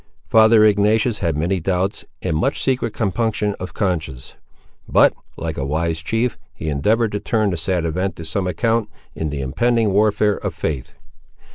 Father Ignatius had many doubts, and much secret compunction of conscience; but, like a wise chief, he endeavoured to turn the sad event to some account, in the impending warfare of faith.